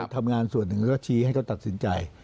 ทำงานส่วนหนึ่งแล้วก็ชี้ให้เขาตัดสินใจ